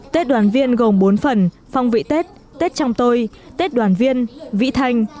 tết đoàn viên gồm bốn phần phong vị tết tết trong tôi tết đoàn viên vị thanh